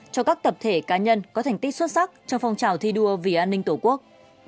cho các tập thể cá nhân có thành tích xuất sắc trong phong trào thi đua vì an ninh tổ quốc